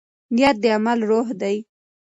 نیت د عمل روح دی.